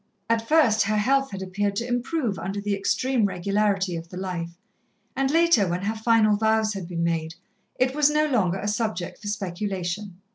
At first her health had appeared to improve under the extreme regularity of the life, and later, when her final vows had been made, it was no longer a subject for speculation.